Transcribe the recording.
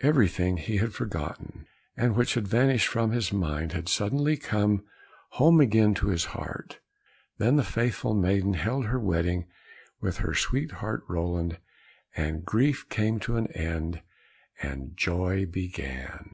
Everything he had forgotten, and which had vanished from his mind, had suddenly come home again to his heart. Then the faithful maiden held her wedding with her sweetheart Roland, and grief came to an end and joy began.